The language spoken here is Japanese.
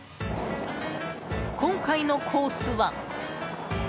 今回のコースは。